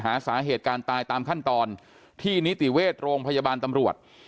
หาสาเหตุการณ์ตายตามขั้นตอนที่นิติเวชโรงพยาบาลตำรวจ